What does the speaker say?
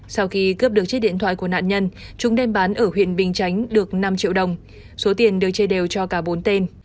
sau khi cướp được chiếc điện thoại của nạn nhân chúng đem bán ở huyện bình chánh được năm triệu đồng số tiền được chia đều cho cả bốn tên